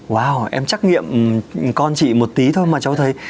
wow em trắc nghiệm con chị một tí thôi mà cháu thấy